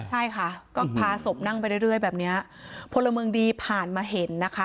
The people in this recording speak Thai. ใช่ค่ะก็พาศพนั่งไปเรื่อยแบบเนี้ยพลเมืองดีผ่านมาเห็นนะคะ